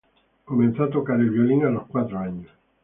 Comenzó a tocar el violín a los cuatro años.